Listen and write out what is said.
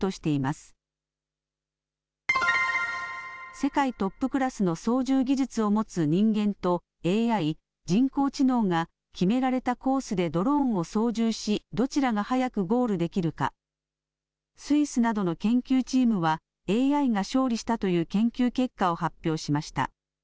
世界トップクラスの操縦技術を持つ人間とＡＩ、人工知能が決められたコースでドローンを操縦しどちらが早くゴールできるかスイスなどの研究チームはＡＩが勝利したという研究結果を発表しました。